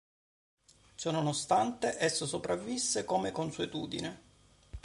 Ciononostante esso sopravvisse come consuetudine.